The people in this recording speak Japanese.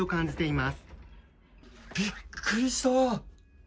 びっくりした。